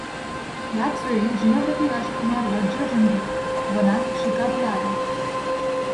याचवेळी जिनव्रती राजकुमार वज्रजंघ वनात शिकारीला आला.